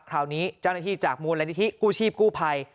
คราวนี้เจ้าหน้าที่จากมูลนิธิกู้ชีพกู้ภัย